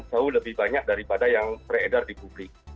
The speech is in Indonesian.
jauh lebih banyak daripada yang beredar di publik